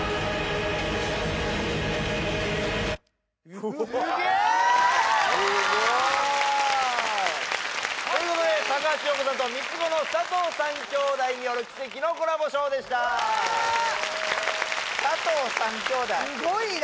すごーいということで高橋洋子さんと三つ子の佐藤三兄弟による奇跡のコラボショーでしたすごいな！